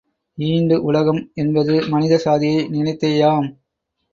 ஈண்டு உலகம் என்பது மனித சாதியை நினைத்தேயாம்.